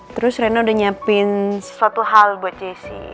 terus reno udah nyiapin suatu hal buat jessi